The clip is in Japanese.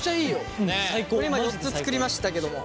これ今４つ作りましたけども。